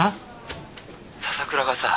☎笹倉がさ。